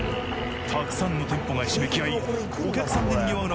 たくさんの店舗がひしめき合いお客さんで賑わう中